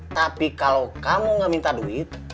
tapi kalau kamu gak minta duit